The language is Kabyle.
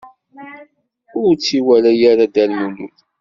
Ur tt-iwala ara Dda Lmulud.